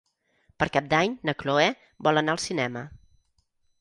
Per Cap d'Any na Cloè vol anar al cinema.